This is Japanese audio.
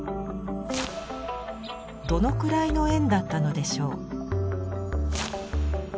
どのくらいの円だったのでしょう？